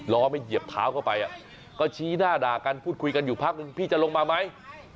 ล้อไม่เหยียบเท้าเข้าไปก็ชี้หน้าด่ากันพูดคุยกันอยู่พักนึงพี่จะลงมาไหม